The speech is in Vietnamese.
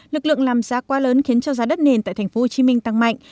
lực lượng làm giá quá lớn khiến cho giá đất nền tại tp hcm tăng mạnh